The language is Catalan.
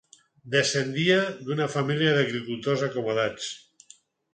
Descendia d'una família d'agricultors acomodats.